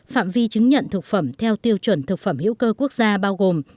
phạm vi chứng nhận thực phẩm theo tiêu chuẩn thực phẩm hữu cơ quốc gia bao gồm